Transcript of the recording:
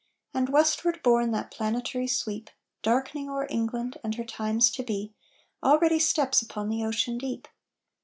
And westward borne that planetary sweep, Darkening o'er England and her times to be, Already steps upon the ocean deep!